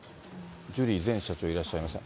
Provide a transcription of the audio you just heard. ジュリー前社長いらっしゃいません。